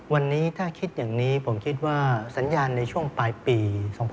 วันนี้ถ้าคิดอย่างนี้ผมคิดว่าสัญญาณในช่วงปลายปี๒๕๖๒